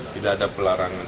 tidak ada pelarangan